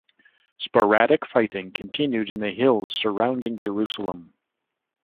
Sporadic fighting continued in the hills surrounding Jerusalem.